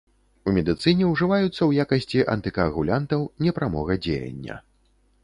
У медыцыне ўжываюцца ў якасці антыкаагулянтаў непрамога дзеяння.